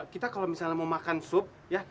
kita kalau misalnya mau makan sup ya